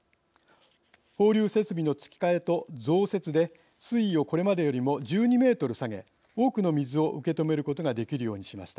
放流設備の付け替えと増設で水位をこれまでよりも１２メートル下げ多くの水を受け止めることができるようにしました。